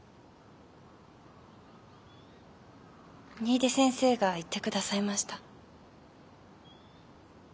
新出先生が言って下さいました。